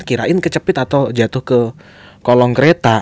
kirain kecepit atau jatuh ke kolong kereta